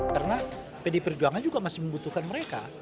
karena pdi perjuangan juga masih membutuhkan mereka